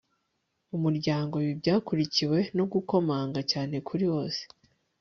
umuryango. 'ibi byakurikiwe no gukomanga cyane kuri bose